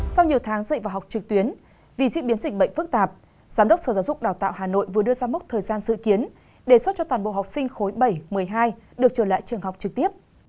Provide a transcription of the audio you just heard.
sau nhiều tháng dạy và học trực tuyến vì diễn biến dịch bệnh phức tạp giám đốc sở giáo dục đào tạo hà nội vừa đưa ra mốc thời gian dự kiến đề xuất cho toàn bộ học sinh khối bảy một mươi hai được trở lại trường học trực tiếp